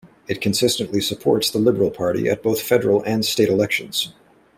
It consistently supports the Liberal Party at both federal and state elections.